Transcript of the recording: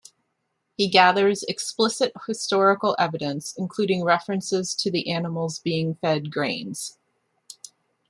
He gathers explicit historical evidence, including references to the animals being fed grains.